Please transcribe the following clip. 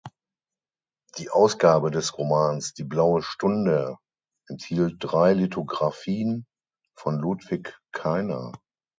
Die Ausgabe des Romans „Die blaue Stunde“ enthielt drei Lithografien von Ludwig Kainer.